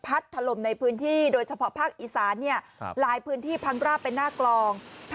ถล่มในพื้นที่โดยเฉพาะภาคอีสานหลายพื้นที่พังราบเป็นหน้ากลอง